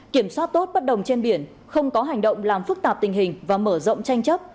kiểm soát tốt bất đồng trên biển không có hành động làm phức tạp tình hình và mở rộng tranh chấp